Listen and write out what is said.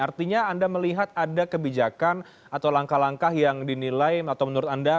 artinya anda melihat ada kebijakan atau langkah langkah yang dinilai atau menurut anda